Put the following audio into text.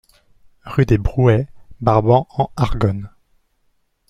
Rue des Brouets, Brabant-en-Argonne